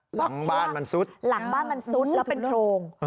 หลังบ้านมันซุดแล้วเป็นโพง